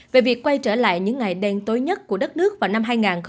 về việc quay trở lại những ngày đen tối nhất của đất nước vào năm hai nghìn hai mươi